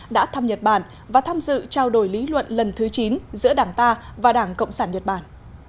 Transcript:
đã thăm nhật bản và tham dự trao đổi lý luận lần thứ chín giữa đảng ta và đảng cộng sản nhật bản